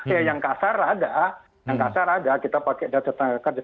ya yang kasar ada yang kasar ada kita pakai data tenaga kerja